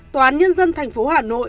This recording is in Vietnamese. tòa án nhân dân thành phố hà nội